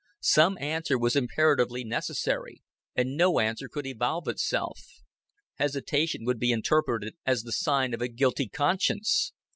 Some answer was imperatively necessary, and no answer could evolve itself. Hesitation would be interpreted as the sign of a guilty conscience.